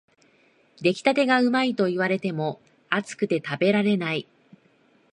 出来たてがうまいと言われても、熱くて食べられない